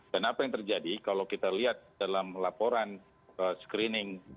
dan apa yang terjadi kalau kita lihat dalam laporan screening pemerintah